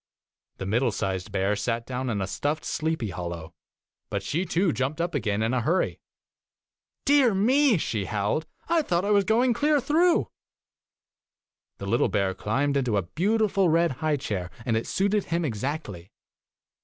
The middle sized bear sat down in a stuffed sleepy hollow, but she too jumped up again in a hurry. ' Dear me !' she howled, ' I thought I was going clear through/ 1 1 The little bear climbed into a beautiful red high chair, and it suited him exactly.